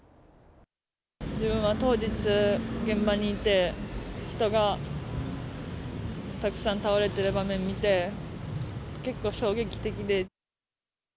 自分は当日、現場にいて、人がたくさん倒れている場面見て、結構衝撃的で。